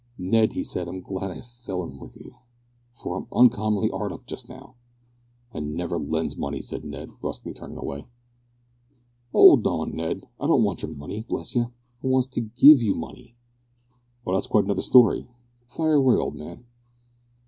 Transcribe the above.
"Ned," he said, "I'm glad I fell in with you, for I'm uncommon 'ard up just now." "I never lends money," said Ned, brusquely turning away. "'Old on, Ned, I don't want yer money, bless yer. I wants to give you money." "Oh! that's quite another story; fire away, old man."